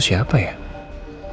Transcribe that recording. besides atau nggak